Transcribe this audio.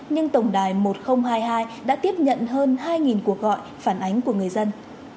nhưng tổng đài một nghìn hai mươi hai đã tiếp nhận hơn hai cuộc gọi phản ánh của người dân